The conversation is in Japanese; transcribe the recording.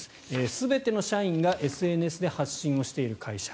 全ての社員がＳＮＳで発信している会社。